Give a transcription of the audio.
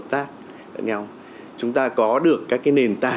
chúng ta có được các cái mối hợp tác nhau chúng ta có được các cái mối hợp tác nhau